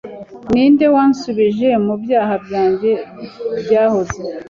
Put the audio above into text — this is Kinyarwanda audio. Ninde wansubije mu byaha byanjye byahoze